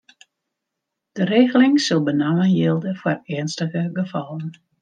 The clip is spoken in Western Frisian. De regeling sil benammen jilde foar earnstige gefallen.